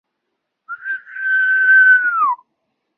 辉发与后来崛起的建州女真努尔哈赤势力屡有摩擦。